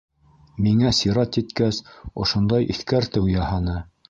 Миңә сират еткәс, ошондай иҫкәртеү яһаны: